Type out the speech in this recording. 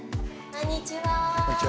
こんにちは。